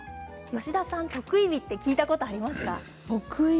吉田さん、特異日って聞いたことありますか。